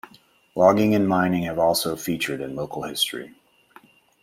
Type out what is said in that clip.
Logging and mining have also featured in local history.